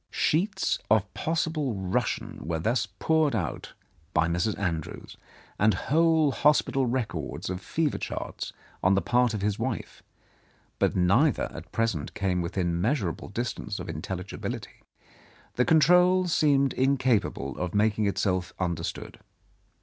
Sheets of possible Russian were thus poured out by Mr. Andrews, and whole hospital records of fever charts on the part of his wife, but neither at present came within measurable distance of intelligibility. The control seemed incapable of making itself under stood.